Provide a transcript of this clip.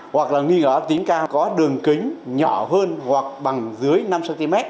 hoặc là nghi ngờ ác tính cao có đường kính nhỏ hơn hoặc bằng dưới năm cm